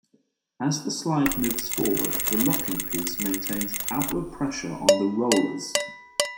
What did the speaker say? As the slide moves forward, the locking piece maintains outward pressure on the rollers.